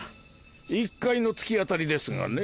１階の突き当たりですがね